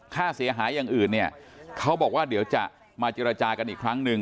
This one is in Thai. ค่าเสียหายอย่างอื่นเนี่ยเขาบอกว่าเดี๋ยวจะมาเจรจากันอีกครั้งหนึ่ง